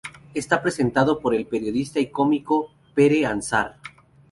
Está presentado por el periodista y cómico Pere Aznar.